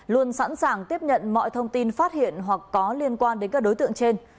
luôn sẵn sàng tiếp nhận mọi thông tin phát hiện hoặc có liên quan đến các đối tượng trên